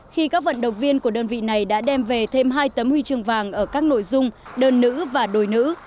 khi các vận động viên của đơn vị này đã đem về thêm hai tấm huy chương vàng ở các nội dung đơn nữ và đồi nữ